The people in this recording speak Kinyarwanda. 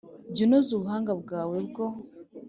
Jya unoza ubuhanga bwawe bwo